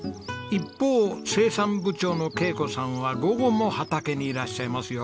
一方生産部長の恵子さんは午後も畑にいらっしゃいますよ。